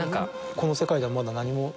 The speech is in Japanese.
この世界ではまだ何も。